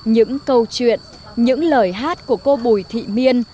những câu chuyện những lời hát của cô bùi thị miên